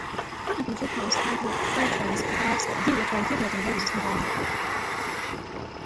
Products include pumps, hydro cyclones, valves, de-watering equipment and wear resistant linings.